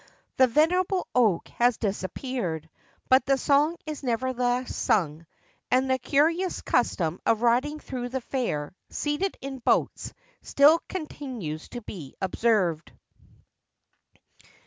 The venerable oak has disappeared; but the song is nevertheless song, and the curious custom of riding through the fair, seated in boats, still continues to be observed.